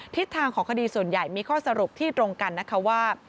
ทิศทางของคดีส่วนใหญ่มีข้อสรุปที่ตรงกันนะคะว่า